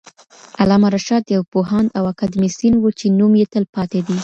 علامه رشاد یو پوهاند او اکاډمیسین وو چې نوم یې تل پاتې دی.